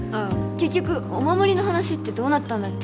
結局お守りの話ってどうなったんだっけ？